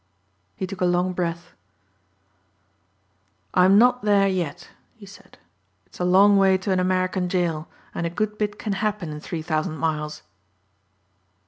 He took a long breath. "I'm not there yet," he said. "It's a long way to an American jail and a good bit can happen in three thousand miles."